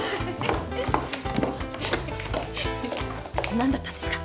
何だったんですか？